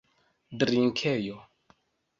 drinkejo